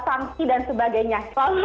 sanksi dan sebagainya